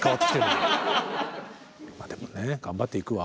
まあでもね頑張っていくわ。